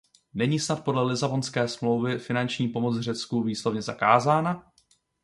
Není snad podle Lisabonské smlouvy finanční pomoc Řecku výslovně zakázána?